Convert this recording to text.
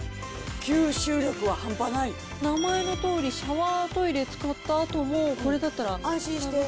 名前のとおり、シャワートイレ使ったあとも、これだったら安心して。